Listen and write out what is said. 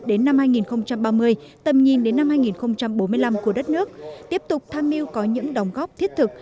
đến năm hai nghìn ba mươi tầm nhìn đến năm hai nghìn bốn mươi năm của đất nước tiếp tục tham mưu có những đóng góp thiết thực